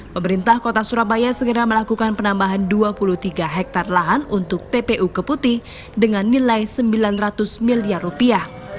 pemerintah kota surabaya segera melakukan penambahan dua puluh tiga hektare lahan untuk tpu keputih dengan nilai sembilan ratus miliar rupiah